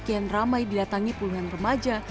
kian ramai didatangi puluhan remaja